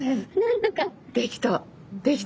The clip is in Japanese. できた。